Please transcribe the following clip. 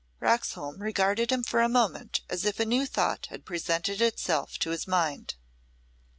Roxholm regarded him for a moment as if a new thought had presented itself to his mind.